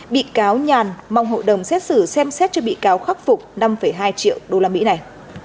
bị cáo nhàn mong hội đồng xét xử xem xét cho bị cáo khắc phục năm hai triệu đô la mỹ này